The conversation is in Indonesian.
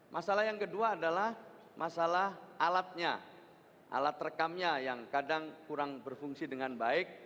masalah yang kedua adalah masalah alatnya alat rekamnya yang kadang kurang berfungsi dengan baik